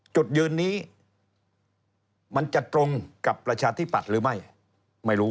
จุดยืนนี้มันจะตรงกับประชาธิปัตย์หรือไม่ไม่รู้